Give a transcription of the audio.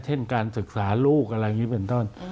เช่นการศึกษาลูกอะไรอย่างนี้เป็นต้น